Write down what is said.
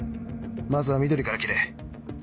まずは緑から切れ。